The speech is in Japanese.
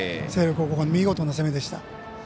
星稜高校が見事な攻めでした。